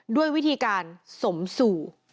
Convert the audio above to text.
ด้วยวิธีการสมสู่